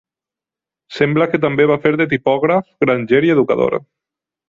Sembla que també va fer de tipògraf, granger i educador.